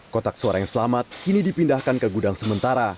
kotak suara yang selamat kini dipindahkan ke gudang sementara